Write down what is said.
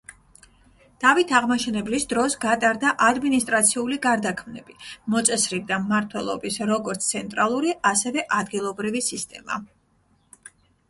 დავით აღმაშენებლის დროს გატარდა ადმინისტრაციული გარდაქმნები, მოწესრიგდა მმართველობის როგორც ცენტრალური, ასევე ადგილობრივი სისტემა.